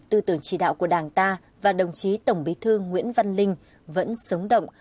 tư tưởng chỉ đạo của đảng ta và đồng chí tổng bí thư nguyễn văn linh vẫn sống động